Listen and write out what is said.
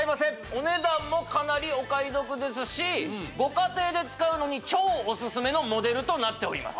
お値段もかなりお買い得ですしご家庭で使うのに超おすすめのモデルとなっております